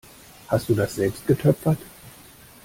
Hast du das selbst getöpfert?